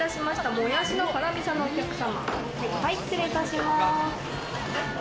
もやしの辛みそのお客様。